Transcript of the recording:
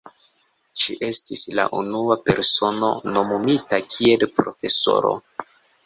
Ŝi estis la unua persono nomumita kiel profesoro.